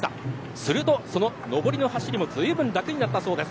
すると、その上りの走りもずいぶん楽になったそうです。